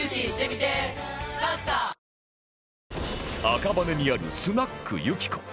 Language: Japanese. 赤羽にあるスナック雪子